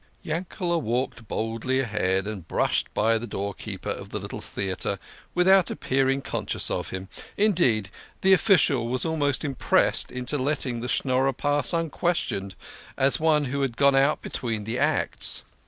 Yankele" walked boldly ahead, and brushed by the door keeper of the little theatre without appearing conscious of him ; indeed, the official was almost impressed into letting the Schnorrer pass unquestioned as one who had gone out between the acts.